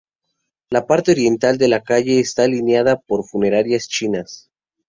La parte oriental de la calle está alineada por funerarias chinas.